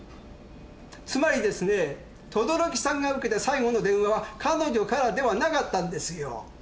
つまりですね等々力さんが受けた最後の電話は彼女からではなかったんですよ。